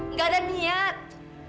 nggak ada niat